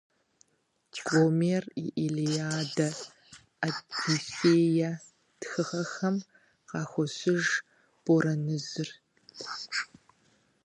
Гомер и «Илиада», «Одиссея» тхыгъэхэм къахощыж борэныжьыр.